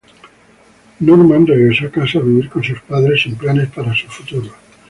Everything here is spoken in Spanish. Norman regresó a casa a vivir con sus padres, sin planes para su futuro.